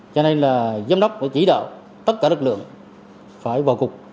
cho nên là giám đốc chỉ đạo tất cả lực lượng phải vào cục